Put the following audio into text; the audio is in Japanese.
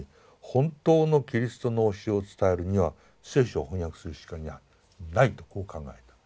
本当のキリストの教えを伝えるには聖書を翻訳するしかないとこう考えた。